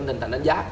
anh tạo ra giá